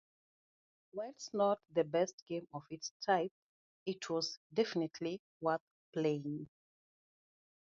Whilst not the best game of its type it was "definitely worth playing".